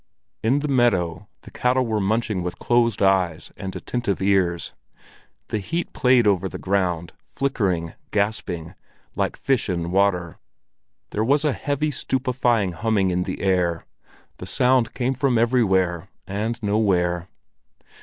In the meadow the cattle were munching with closed eyes and attentive ears. The heat played over the ground, flickering, gasping, like a fish in water. There was a heavy, stupefying humming in the air; the sound came from everywhere and nowhere.